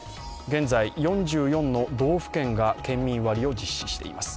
現在、４４の道府県が県民割を実施しています。